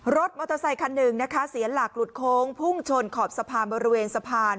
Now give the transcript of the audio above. มอเตอร์ไซคันหนึ่งนะคะเสียหลักหลุดโค้งพุ่งชนขอบสะพานบริเวณสะพาน